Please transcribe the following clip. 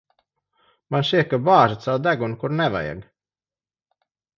Man šķiet, ka bāžat savu degunu, kur nevajag.